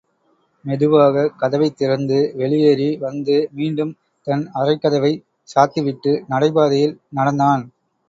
மெதுவாகக் கதவைத் திறந்து வெளியேறி வந்து மீண்டும் தன் அறைக்கதவைச் சாத்திவிட்டு நடைபாதையில் நடந்தான்.